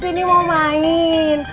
bu saya kesini mau main